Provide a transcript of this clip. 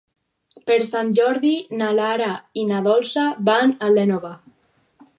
Per Sant Jordi na Lara i na Dolça van a l'Énova.